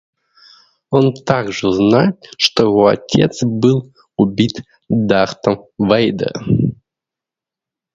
Он также узнает, что его отец был убит Дартом Вейдером